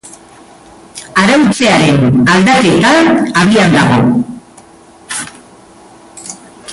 Arautzearen aldaketa abian dago.